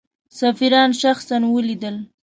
سفیران شخصا ولیدل.